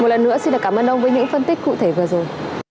một lần nữa xin cảm ơn ông với những phân tích cụ thể vừa rồi